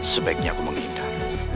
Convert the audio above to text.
sebaiknya aku menghindar